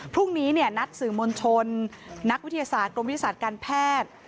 พรุ่งนี้นัดสื่อมวลชนนักวิทยาศาสตร์กรมวิทยาศาสตร์การแพทย์